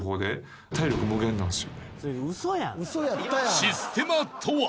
［システマとは］